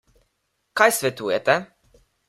Kaj svetujete?